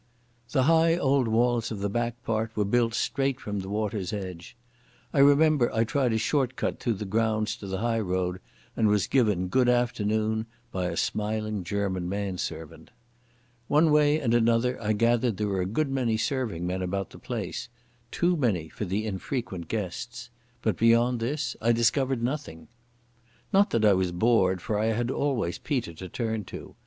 The high old walls of the back part were built straight from the water's edge. I remember I tried a short cut through the grounds to the high road and was given "Good afternoon' by a smiling German manservant. One way and another I gathered there were a good many serving men about the place—too many for the infrequent guests. But beyond this I discovered nothing. Not that I was bored, for I had always Peter to turn to.